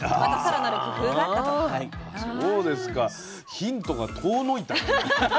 ヒントが遠のいたよね。